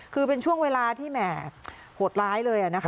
คือเป็นช่วงเวลาที่แหม่โหดร้ายเลยนะคะ